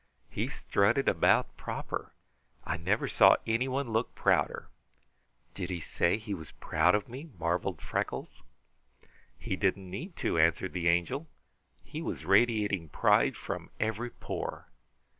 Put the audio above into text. He strutted about proper. I never saw anyone look prouder." "Did he say he was proud of me?" marveled Freckles. "He didn't need to," answered the Angel. "He was radiating pride from every pore.